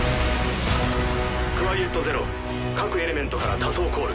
クワイエット・ゼロ各エレメントから多層コール。